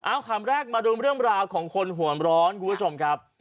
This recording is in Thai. เอาคำแรกมาดูเรื่องราวของคนหัวร้อนคุณผู้ชมครับ